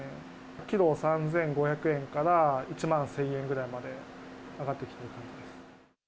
キロ３５００円から１万１０００円ぐらいまで上がってきています。